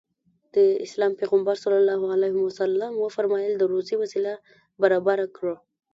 د اسلام پيغمبر ص وفرمايل د روزي وسيله برابره کړه.